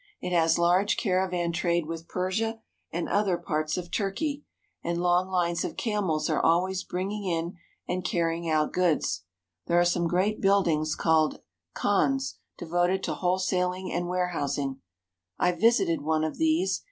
It has large caravan trade with Persia and other parts of Turkey, and long lines of camels are always bringing in and carry ing out goods. There are some great buildings called 220 SHOPPING IN STREET CALLED STRAIGHT khans devoted to wholesaling and warehousing. I vis ited one of these.